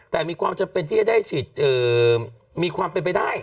แต่เป็นมีแค่จะได้ฉีดมีความเป็นไปได้